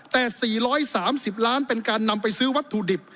แต่๔๓๐ล้านเป็นการนำไปซื้อวัตถุดิบ